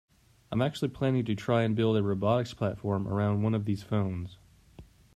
I'm actually planning to try and build a robotics platform around one of those phones.